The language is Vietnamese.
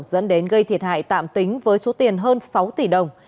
dẫn đến gây thiệt hại tạm tính với số tiền hơn sáu tỷ đồng